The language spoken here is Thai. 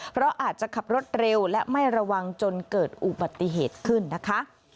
เพราะอาจจะขับรถเร็วและไม่ระวังจนเกิดอุบัติเหตุขึ้นนะคะ